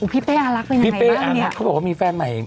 พี่เป้อารักเป็นใครบ้างเนี่ยพี่เป้อารักเขาบอกว่ามีแฟนใหม่